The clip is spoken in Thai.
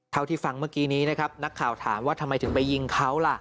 เท่าที่ฟังเมื่อกี้นี้นะครับนักข่าวถามว่าทำไมถึงไปยิงเขาล่ะ